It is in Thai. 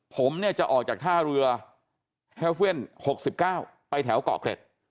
ผมเนี่ยจะออกจากท่าเรือแฮลเว่น๖๙ไปแถวเกาะเกร็ด